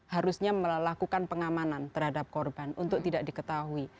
harusnya melakukan pengamanan terhadap korban untuk tidak diketahui